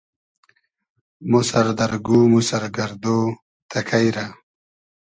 مۉ سئر دئر گوم و سئر گئردۉ تئکݷ رۂ